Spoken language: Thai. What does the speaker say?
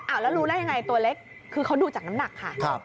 อ่าวแล้วรู้ได้ยังไงตัวเล็กคือเขาดูจากน้ำหนักค่ะครับ